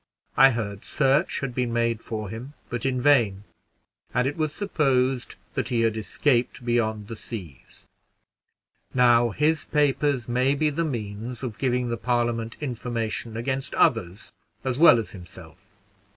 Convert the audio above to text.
I heard search had been made for him, but in vain, and it was supposed that he had escaped beyond the seas. Now his papers may be the means of giving the Parliament information against others as well as himself."